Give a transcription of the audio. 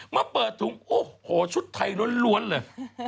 เมื่อเปิดถุงโอ้โหชุดไทยล้วนเลย